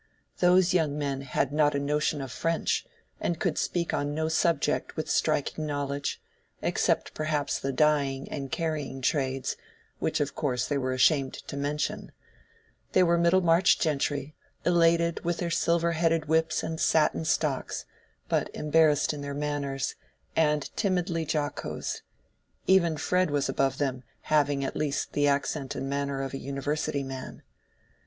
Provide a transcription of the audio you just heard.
Those young men had not a notion of French, and could speak on no subject with striking knowledge, except perhaps the dyeing and carrying trades, which of course they were ashamed to mention; they were Middlemarch gentry, elated with their silver headed whips and satin stocks, but embarrassed in their manners, and timidly jocose: even Fred was above them, having at least the accent and manner of a university man.